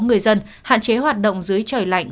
người dân hạn chế hoạt động dưới trời lạnh